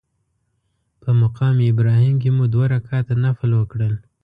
په مقام ابراهیم کې مو دوه رکعته نفل وکړل.